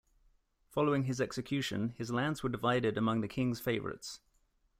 Following his execution, his lands were divided among the king's favourites.